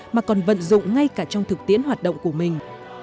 mà còn vận dụng ngay cả trong thực tiễn hoạt động của mình